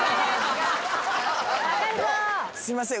すいません。